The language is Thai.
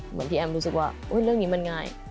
เหมือนพี่แอมรู้สึกว่าเรื่องนี้มันง่าย